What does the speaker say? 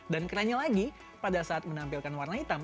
dan kerennya lagi pada saat menampilkan warna hitam